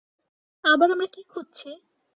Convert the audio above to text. আবার আমরা কী খুঁজছি?